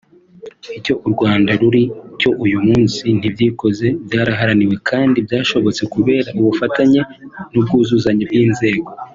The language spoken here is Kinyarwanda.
Icyo U Rwanda ruri cyo uyu munsi ntibyikoze; byaraharaniwe; kandi byashobotse kubera ubufatanye n’ubwuzuzanye bw’inzego